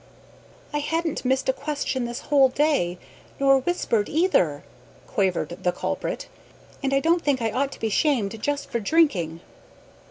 "I hadn't missed a question this whole day, nor whispered either," quavered the culprit; "and I don't think I ought to be shamed just for drinking."